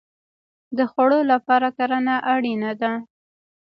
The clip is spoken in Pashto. د خوړو لپاره کرنه اړین ده